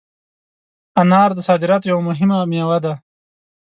انار د صادراتو یوه مهمه مېوه ده.